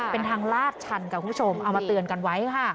เป็นทางลาดชันค่ะคุณผู้ชมเอามาเตือนกันไว้ค่ะ